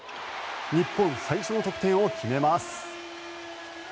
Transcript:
日本最初の得点を決めます。